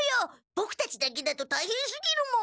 ボクたちだけだとたいへんすぎるもん。